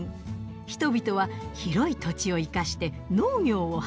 人々は広い土地を生かして農業を始めます。